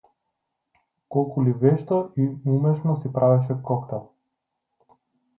Колку ли вешто и умешно си правеше коктел!